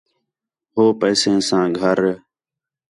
ہو پیسین ساں گھر